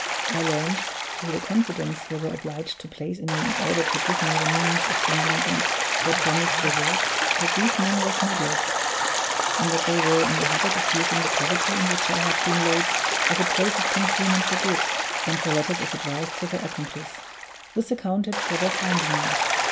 I learned, through the confidence they were obliged to place in me in order to give me the means of sending them their promised reward, that these men were smugglers, and that they were in the habit of using the cavity in which I had been laid as a place of concealment for goods, and for letters of advice to their accomplices. This accounted for their finding me.